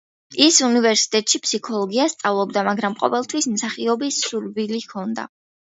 ის უნივერსიტეტში ფსიქოლოგიას სწავლობდა, მაგრამ ყოველთვის მსახიობობის სურვილი ჰქონდა.